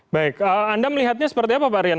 baik anda melihatnya seperti apa pak rian